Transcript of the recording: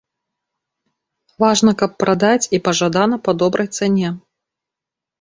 Важна, каб прадаць, і пажадана па добрай цане.